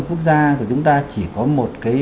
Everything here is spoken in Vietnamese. quốc gia của chúng ta chỉ có một cái